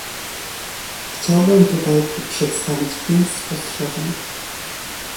Chciałbym tutaj przedstawić pięć spostrzeżeń